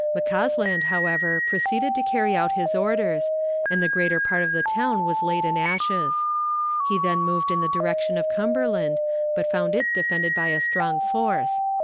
McCausland, however, proceeded to carry out his orders, and the greater part of the town was laid in ashes. He then moved in the direction of Cumberland, but found it defended by a strong force.